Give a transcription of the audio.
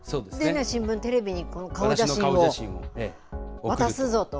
新聞、テレビに顔写真を渡すぞと。